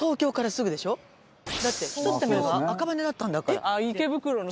だって１つ手前が赤羽だったんだから。